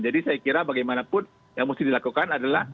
jadi saya kira bagaimanapun yang mesti dilakukan adalah